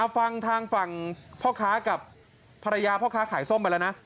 ฟังทางฝั่งพ่อค้ากับภรรยาพ่อค้าขายส้มไปแล้วนะ